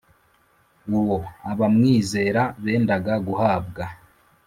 uwo abamwizera bendaga guhabwa: